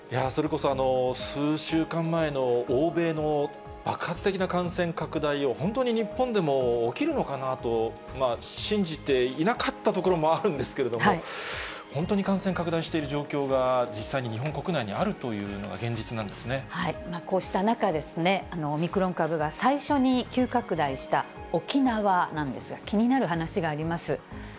それこそ、数週間前の欧米の爆発的な感染拡大を、本当に日本でも起きるのかなと信じていなかったところもあるんですけれども、本当に感染拡大している状況が、実際に日本国内にあこうした中、オミクロン株が最初に急拡大した沖縄なんですが、気になる話があります。